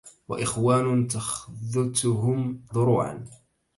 وإخوان تخذتهم دروعا